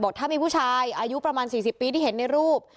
ถ้ามีผู้ชายอายุประมาณ๔๐ปีที่เห็นในรูป